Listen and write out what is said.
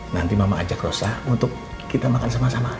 nanti mama ajak rosa untuk kita makan sama sama